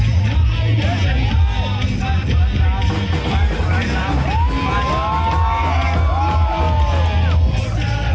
อยู่ข้างหน้าไม่คิดถามว่ามันไกลเท่าไหร่